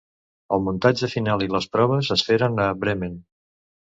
El muntatge final i les proves es feren a Bremen.